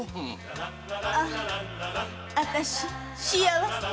「あああたし幸せよ」